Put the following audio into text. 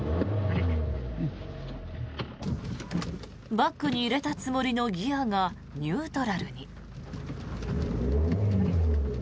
バックに入れたつもりのギアがニュートラルに。